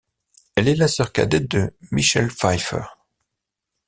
Elle est la sœur cadette de Michelle Pfeiffer.